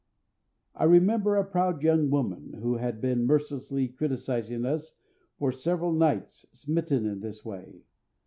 I remember a proud young woman who had been mercilessly criticising us for several nights smitten in this way.